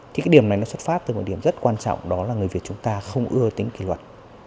thì cái điểm này nó xuất phát từ một điểm rất quan trọng đó là người việt chúng ta không ưa tính kỷ luật